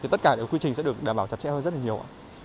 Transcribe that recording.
tất cả đều quy trình sẽ được đảm bảo chặt chẽ hơn rất là nhiều